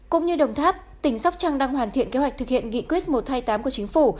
cũng như đồng tháp tỉnh sóc trăng đang hoàn thiện kế hoạch thực hiện nghị quyết một trăm hai mươi tám của chính phủ